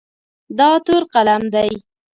دا تور قلم دی.